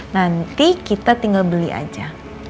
nanti kita tinggal beli aja